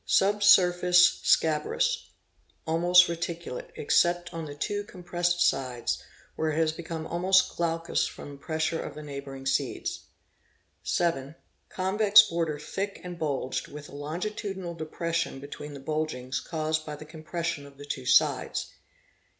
Surface scabrous, almost reti culate, except on the two compressed sides, where it has become almost glaucous from pressure of the neigh bouring seeds. 7. Convex border thick and bulged, with a longitudinal depression bet ween the bulgings caused by the compression of the two sides.